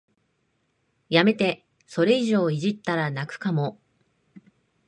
やめて、それ以上いじったら泣くかも